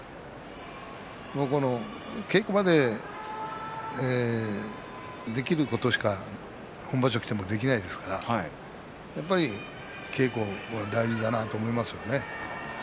稽古場でできることしか本場所ではできませんから稽古は大事だなと思いますよね。